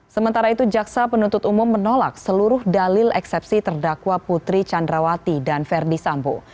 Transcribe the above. sementara itu jaksa penuntut umum menolak seluruh dalil eksepsi terdakwa putri candrawati dan verdi sambo